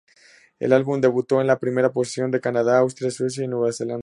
El álbum debutó en la primera posición en Canadá, Austria, Suecia y Nueva Zelanda.